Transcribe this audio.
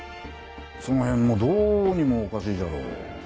そのへんもどうにもおかしいじゃろ。